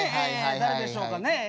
誰でしょうかね。